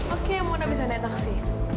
oke mona bisa naik taksi